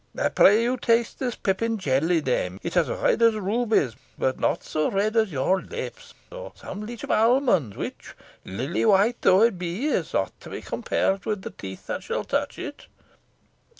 I pray you taste this pippin jelly, dame. It is as red as rubies, but not so red as your lips, or some leach of almonds, which, lily white though it be, is not to be compared with the teeth that shall touch it."